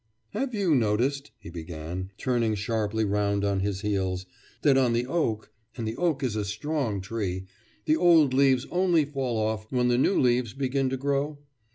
'Have you noticed,' he began, turning sharply round on his heels, 'that on the oak and the oak is a strong tree the old leaves only fall off when the new leaves begin to grow?